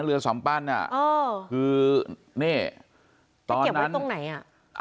เรือส่อมปั้นอ่ะอ๋อคือนี่ตอนนั้นจะเก็บไว้ตรงไหนอ่ะ